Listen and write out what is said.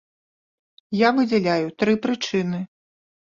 Я выдзяляю тры прычыны.